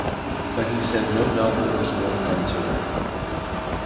But he said no novel was more fun to write.